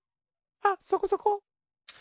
あっそこそこ。